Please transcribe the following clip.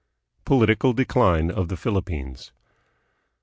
Political Decline of the Philippines.